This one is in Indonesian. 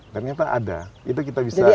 ternyata ada itu kita bisa